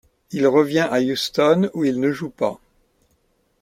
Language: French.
Il revient à Houston où il ne joue pas.